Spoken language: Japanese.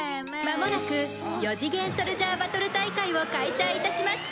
「まもなく四次元ソルジャーバトル大会を開催いたします」